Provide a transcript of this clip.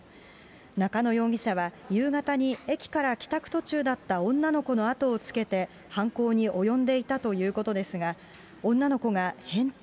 中野容疑者は夕方に駅から帰宅途中だった女の子の後をつけて犯行に及んでいたということですが、女の子が変態！